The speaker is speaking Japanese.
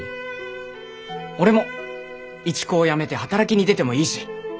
俺も一高やめて働きに出てもいいし！